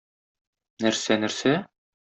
Нәрсә, нәрсә?